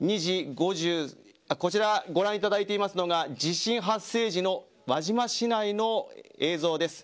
こちらご覧いただいていますのが地震発生時の輪島市内の映像です。